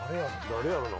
誰やろな？